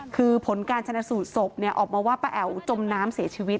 คือผลการชนะสูตรศพออกมาว่าป้าแอ๋วจมน้ำเสียชีวิต